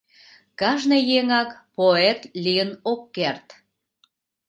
Кажне еҥак поэт лийын ок керт.